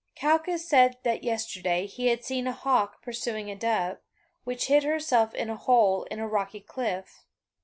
Calchas said that yesterday he had seen a hawk pursuing a dove, which hid herself in a hole in a rocky cliff.